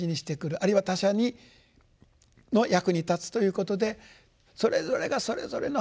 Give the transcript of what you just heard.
あるいは他者の役に立つということでそれぞれがそれぞれの働き